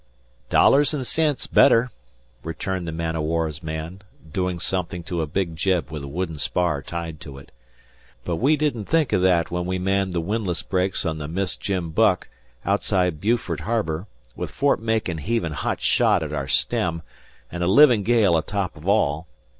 "Dollars an' cents better," returned the man o' war's man, doing something to a big jib with a wooden spar tied to it. "But we didn't think o' that when we manned the windlass brakes on the Miss Jim Buck, I outside Beau fort Harbor, with Fort Macon heavin' hot shot at our stern, an' a livin' gale atop of all.